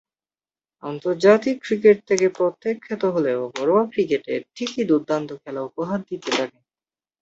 আন্তর্জাতিক ক্রিকেট থেকে প্রত্যাখ্যাত হলেও ঘরোয়া ক্রিকেটে ঠিকই দূর্দান্ত খেলা উপহার দিতে থাকেন।